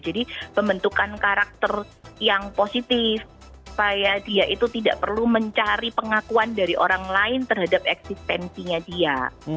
pembentukan karakter yang positif supaya dia itu tidak perlu mencari pengakuan dari orang lain terhadap eksistensinya dia